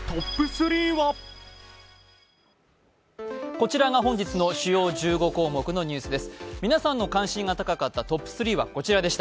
こちらが本日の主要１５項目のニュースです。